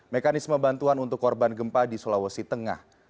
mekanisme bantuan untuk korban gempa di sulawesi tengah